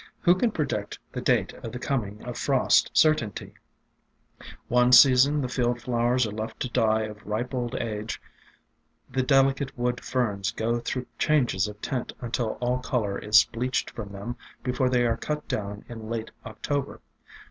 Who can predict the date of the coming of frost with certainty ? One season the field flowers U S^i 322 AFTERMATH are left to die of ripe old age, the delicate wood Ferns go through changes of tint, until all color is bleached from them before they are cut down in late October.